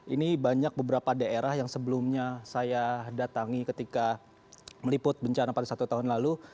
ini banyak beberapa daerah yang sebelumnya saya datangi ketika meliput bencana pada satu tahun lalu